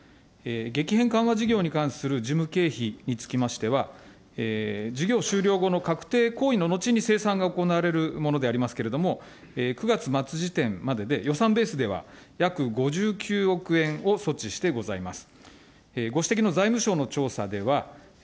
激変緩和事業に関する事務経費につきましては、事業終了後の確定行為の後に精算が行われるものでありますけれども、９月末時点までで予算ベースでは約５９億円を措置してございます。